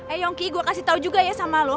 eh yongki gue kasih tau juga ya sama lo